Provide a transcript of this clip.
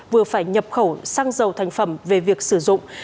vừa phải nhập khẩu xăng dầu thành phẩm về việc sử dụng